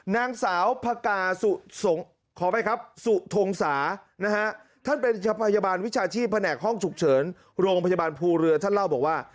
นางสาวพกาขออภัยครับสุทงศานะฮะท่านเป็นพยาบาลวิชาชีพแผนกห้องฉุกเฉินโรงพยาบาลภูเรือท่านเล่าบอกว่า